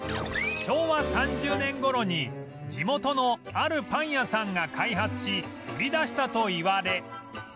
昭和３０年頃に地元のあるパン屋さんが開発し売り出したといわれ